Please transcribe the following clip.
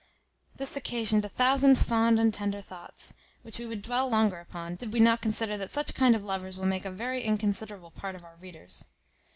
This occasioned a thousand fond and tender thoughts, which we would dwell longer upon, did we not consider that such kind of lovers will make a very inconsiderable part of our readers.